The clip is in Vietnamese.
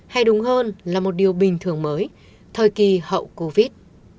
hay đúng hơn là một điều bình thường mới thời kỳ hậu covid